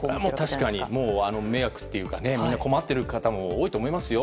確かに、迷惑というかみんな困っている方も多いと思いますよ。